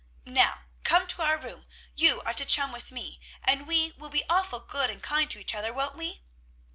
Now, come to our room. You are to chum with me, and we will be awful good and kind to each other, won't we?"